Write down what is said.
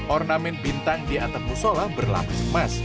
ornamen bintang di atap musola berlapis emas